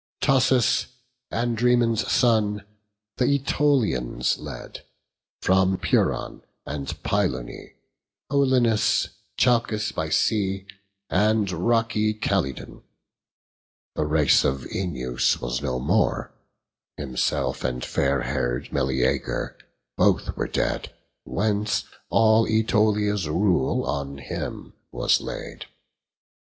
Thoas, Andraemon's son, th' Ætolians led; From Pleuron, and Pylone, Olenus, Chalcis by sea, and rocky Calydon: The race of Œneus was no more; himself, And fair hair'd Meleager, both were dead: Whence all Ætolia's rule on him was laid.